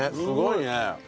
すごいね。